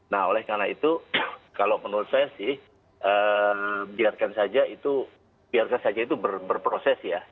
nah oleh karena itu kalau menurut saya sih biarkan saja itu berproses ya